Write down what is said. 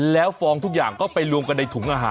แล้วฟองทุกอย่างก็ไปรวมกันในถุงอาหาร